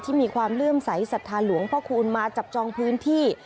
มีความเลื่อมใสสัทธาหลวงพ่อคูณมาจับจองพื้นที่